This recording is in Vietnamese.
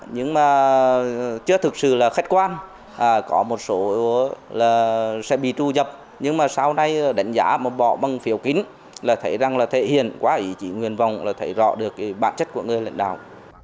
nhưng mà chưa thực sự là khách quan có một số là sẽ bị tru dập nhưng mà sau này đánh giá một bỏ bằng phiếu kín là thấy rằng là thể hiện qua ý chí nguyên vọng là thấy rõ được cái bản chất của người lãnh đạo